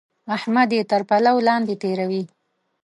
احمد يې تر پلو لاندې تېروي.